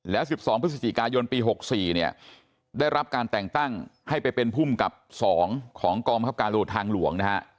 แล้ว๑๒พฤศจิกายนปี๖๔เนี่ยได้รับการแต่งตั้งให้ไปเป็นภูมิกับ๒ของกองบังคับการตำรวจทางหลวงนะฮะ